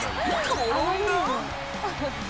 転んだ？